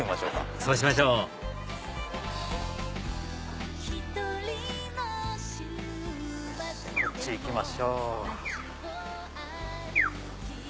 そうしましょうこっち行きましょう。